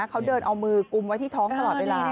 เขาเดินเอามือกุมไว้ที่ท้องตลอดเวลา